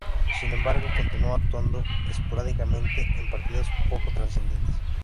Sin embargo continuó actuando esporádicamente en partidos poco trascendentes.